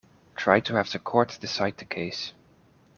Try to have the court decide the case.